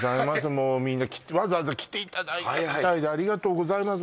もうみんなわざわざ来ていただいたみたいでありがとうございます